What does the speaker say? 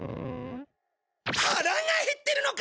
腹が減ってるのか。